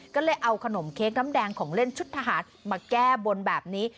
ก็เลยเอาขนมเค้กน้ำแดงของเล่นชุดทหารมาแก้บนแบบนี้